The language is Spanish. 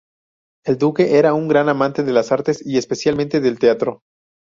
El duque era un gran amante de las artes, y especialmente del teatro.